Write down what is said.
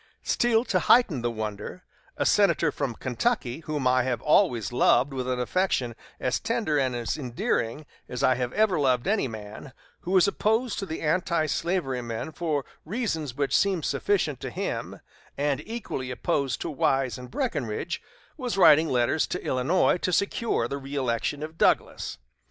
Still to heighten the wonder, a senator from Kentucky, whom I have always loved with an affection as tender and endearing as I have ever loved any man, who was opposed to the antislavery men for reasons which seemed sufficient to him, and equally opposed to Wise and Breckinridge, was writing letters to Illinois to secure the reëlection of Douglas.